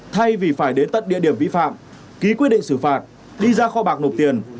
thay vì phải đến tận địa điểm vi phạm ký quyết định xử phạt đi ra kho bạc nộp tiền